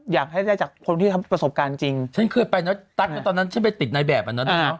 อยากให้ได้จากคนที่ทำประสบการณ์จริงฉันเคยไปเนอะตั๊กก็ตอนนั้นฉันไปติดในแบบอ่ะเนอะ